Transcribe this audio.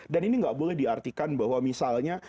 dan ini nggak boleh diartikan bahwa misalnya